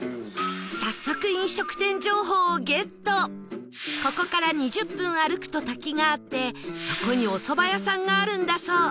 早速ここから２０分歩くと滝があってそこにお蕎麦屋さんがあるんだそう